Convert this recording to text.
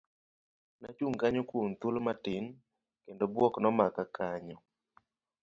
Nachung' kanyo kuom thuolo matin, kendo buok nomaka kanyo.